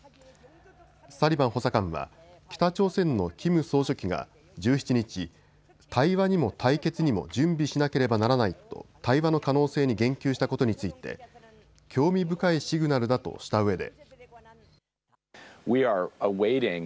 サリバン補佐官は北朝鮮のキム総書記が１７日、対話にも対決にも準備しなければならないと対話の可能性に言及したことについて興味深いシグナルだとしたうえで。